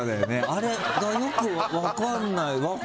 あれがよく分かんない分かる？